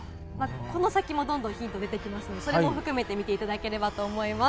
この先もどんどんヒント出てきますので、それも含めて見ていただければと思います。